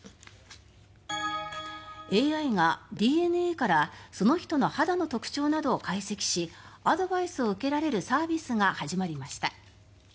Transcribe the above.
ＡＩがＤＮＡからその人の肌の特徴などを解析しアドバイスを受けられるサービスが始まりました。